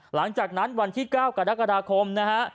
หลังจากที่วันที่๙กรกฎาคมนะฮะ